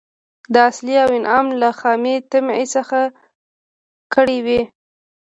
د صلې او انعام له خامي طمعي څخه کړي وي.